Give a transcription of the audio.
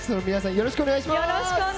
よろしくお願いします。